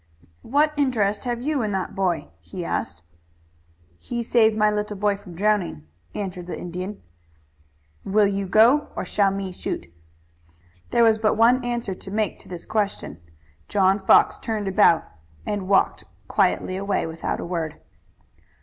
"What interest have you in that boy?" he asked. "He save my little boy from drowning," answered the Indian. "Will you go or shall me shoot?" There was but one answer to make to this question. John Fox turned about and walked quietly away without a word.